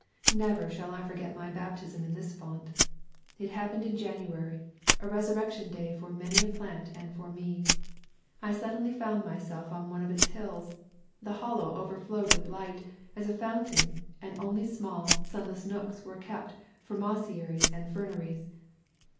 Never shall I forget my baptism in this font. It happened in January, a resurrection day for many a plant and for me. I suddenly found myself on one of its hills; the Hollow overflowed with light, as a fountain, and only small, sun less nooks were kept for mosseries and ferneries.